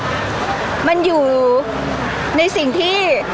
พี่ตอบได้แค่นี้จริงค่ะ